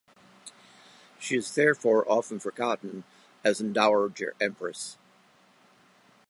She is therefore often forgotten as an Dowager Empress.